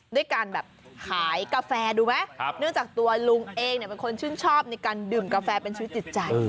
ด้วยการแบบขายกาแฟดูไหมเนื่องจากตัวลุงเองเนี่ยเป็นคนชื่นชอบในการดื่มกาแฟเป็นชีวิตจิตใจ